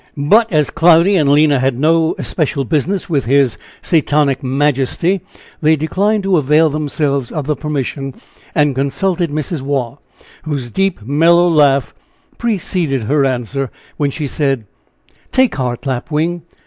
But as Cloudy and Lina had no especial business with his Satanic Majesty they declined to avail themselves of the permission, and consulted Mrs. Waugh, whose deep, mellow laugh preceded her answer, when she said: "Take heart, Lapwing!